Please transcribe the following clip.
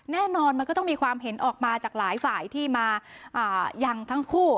แน่นอนมันก็ต้องมีความเห็นออกมาจากหลายฝ่ายที่มายังทั้งคู่